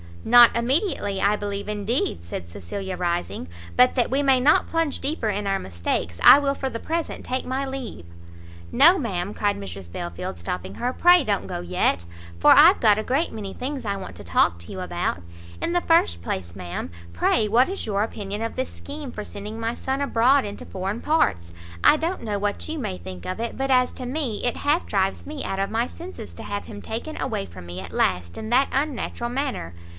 "Not immediately, I believe indeed," said Cecilia, rising, "but that we may not plunge deeper in our mistakes, I will for the present take my leave." "No, ma'am," cried Mrs Belfield, stopping her, "pray don't go yet, for I've got a great many things I want to talk to you about. In the first place, ma'am, pray what is your opinion of this scheme for sending my son abroad into foreign parts? I don't know what you may think of it, but as to me, it half drives me out of my senses to have him taken away from me at last in that unnatural manner.